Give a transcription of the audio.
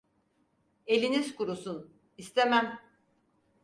Eliniz kurusun, istemem!